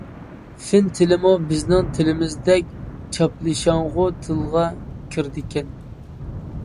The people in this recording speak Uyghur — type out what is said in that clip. فىن تىلىمۇ بىزنىڭ تىلىمىزدەك چاپلىشاڭغۇ تىلغا كىرىدىكەن.